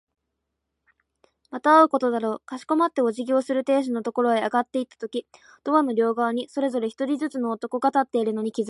また会うことだろう。かしこまってお辞儀をする亭主のところへ上がっていったとき、ドアの両側にそれぞれ一人ずつの男が立っているのに気づいた。